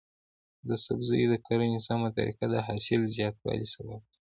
د سبزیو د کرنې سمه طریقه د حاصل زیاتوالي سبب کیږي.